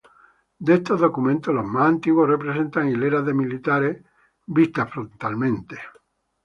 De estos documentos, los más antiguos representan hileras de militares vistas frontalmente.